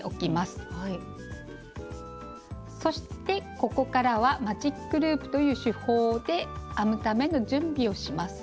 そしてここからは「マジックループ」という手法で編むための準備をします。